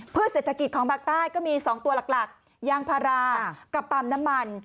เศรษฐกิจของภาคใต้ก็มี๒ตัวหลักยางพารากับปั๊มน้ำมัน